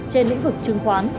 trên lĩnh vực chứng khoán